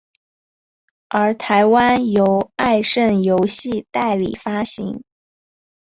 而台湾由爱胜游戏代理发行。